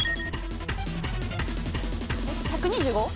１２５？